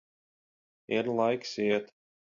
Ir laiks iet.